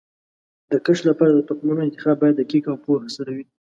د کښت لپاره د تخمونو انتخاب باید دقیق او پوهه سره وي.